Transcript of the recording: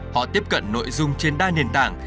họ tiếp cận nội dung trên đa nền tảng